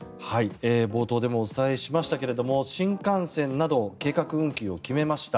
冒頭でもお伝えしましたが新幹線など計画運休を決めました。